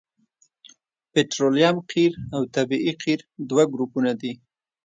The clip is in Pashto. پطرولیم قیر او طبیعي قیر دوه ګروپونه دي